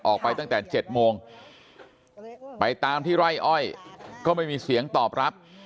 ออกไปตั้งแต่๗โมงไปตามที่ไร่อ้อยก็ไม่มีเสียงตอบรับ